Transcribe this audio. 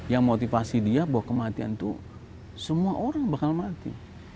yang motivasi dia bahwa kematian itu semua orang bakal mati